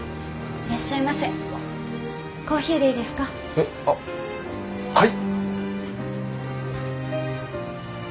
えっあっはい。